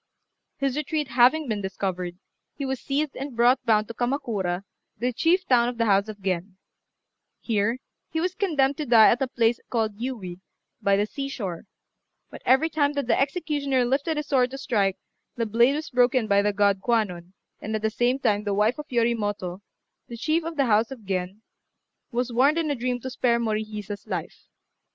His retreat having been discovered, he was seized and brought bound to Kamakura, the chief town of the house of Gen. Here he was condemned to die at a place called Yui, by the sea shore; but every time that the executioner lifted his sword to strike, the blade was broken by the god Kwannon, and at the same time the wife of Yoritomo, the chief of the house of Gen, was warned in a dream to spare Morihisa's life.